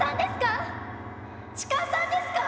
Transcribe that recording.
痴漢さんですか？